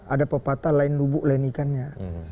ada pepatah lain lubuk lain ikannya